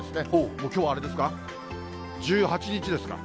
もうきょうはあれですか、１８日ですか。